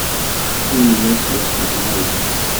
Ini-as la sleɣmayeɣ.